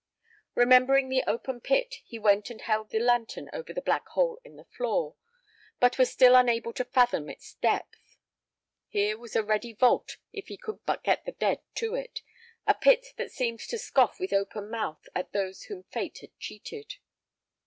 Remembering the open pit, he went and held the lantern over the black hole in the floor, but was still unable to fathom its depth. Here was a ready vault if he could but get the dead to it—a pit that seemed to scoff with open mouth at those whom Fate had cheated.